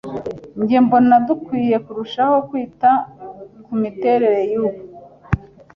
Njye mbona, dukwiye kurushaho kwita kumiterere yubu.